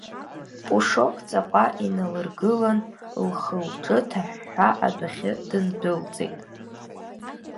Пушок ҵаҟа иналыргылан, лхылҿы ҭаҳәҳәа адәахьы дындәылҵит.